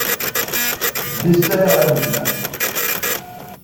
L' dessert la ville.